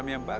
ya ya tidak